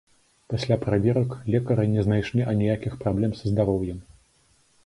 Пасля праверак, лекары не знайшлі аніякіх праблем са здароўем.